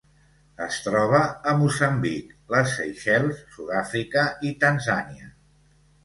Es troba a Moçambic, les Seychelles, Sud-àfrica i Tanzània.